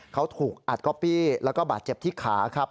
เขาถูกอัดก๊อปปี้แล้วก็บาดเจ็บที่ขาครับ